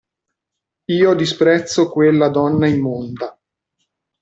Io disprezzo quella donna immonda.